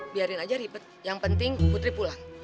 biarin aja ribet yang penting putri pulang